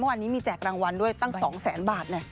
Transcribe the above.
เมื่อวานนี้มีแจกรางวัลด้วยตั้ง๒๐๐๐๐๐บาทเนี่ย